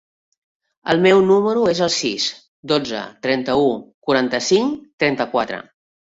El meu número es el sis, dotze, trenta-u, quaranta-cinc, trenta-quatre.